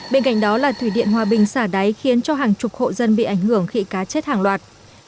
bên cạnh đó là thủy điện hòa bình xả đáy khiến cho hàng chục hộ dân bị ảnh hưởng khi cá chết hàng loạt